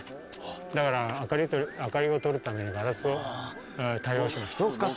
だから明かりを取るためにガラスを多用してます。